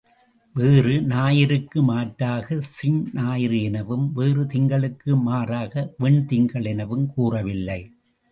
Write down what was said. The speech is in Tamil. வேறு ஞாயிறுக்கு மாற்றாகச் செஞ்ஞாயிறு எனவும், வேறு திங்களுக்கு மாற்றாக வெண் திங்கள் எனவும் கூறவில்லை.